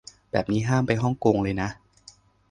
แบบนี้ห้ามไปฮ่องกงเลยนะ